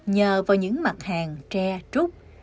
nhờ vào những mặt hàng tre trúc